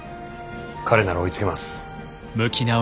彼なら追いつけます。